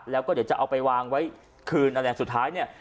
แล้วก็เดี๋ยวจะเอาไปวางไว้คืนอะไรสุดท้ายเนี่ย